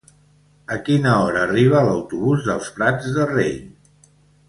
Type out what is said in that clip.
A quina hora arriba l'autobús dels Prats de Rei?